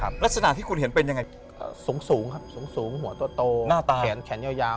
ภักษณะที่คุณเห็นเป็นอย่างไรสูงครับสูงหัวโต้แขนเยา